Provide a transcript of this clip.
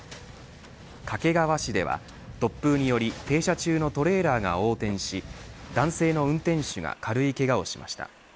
掛川市では突風により停車中のトレーラーが横転し男性の運転手が軽いけがをしました。